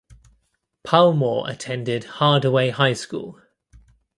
Palmore attended Hardaway High School.